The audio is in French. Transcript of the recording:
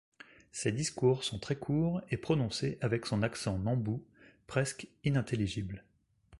Ses discours sont très courts et prononcés avec son accent nambu presque inintelligible.